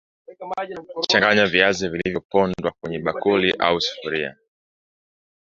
Changanya viazi vilivyopondwa kwenye bakuli au sufuria